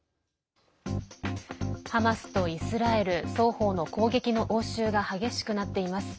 ハマスとイスラエル双方の攻撃の応酬が激しくなっています。